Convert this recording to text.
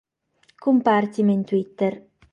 Cumpartzi in Twitter